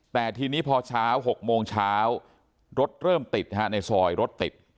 แต่ทีนี้พอเช้า๖โมงเช้ารถเริ่มติดในซอยรถติด